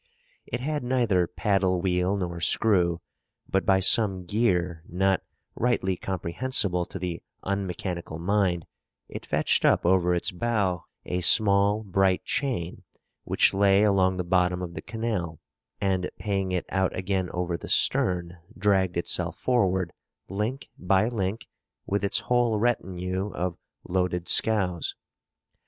It had neither paddle wheel nor screw; but by some gear not rightly comprehensible to the unmechanical mind, it fetched up over its bow a small bright chain which lay along the bottom of the canal, and paying it out again over the stern, dragged itself forward, link by link, with its whole retinue of loaded skows.